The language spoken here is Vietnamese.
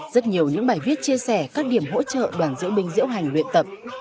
rất nhiều những bài viết chia sẻ các điểm hỗ trợ đoàn diễu binh diễu hành luyện tập